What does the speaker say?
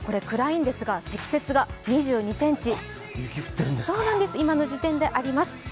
暗いんですが、積雪が２２ｃｍ、今の時点であります。